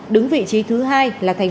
đứng vị trí thứ hai trong các tháng